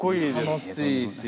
楽しいし。